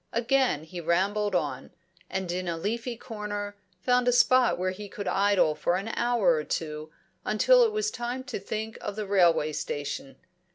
Again he rambled on, and in a leafy corner found a spot where he could idle for an hour or two, until it was time to think of the railway station.